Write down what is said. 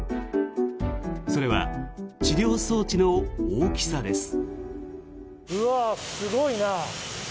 それは治療装置の大きさです。